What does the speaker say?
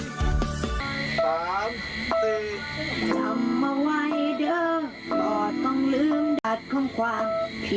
จำเอาไว้เดิมปลอดต้องลืมดัดข้างผิดหวัง